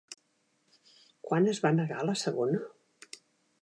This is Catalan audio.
Quan es va negar la segona?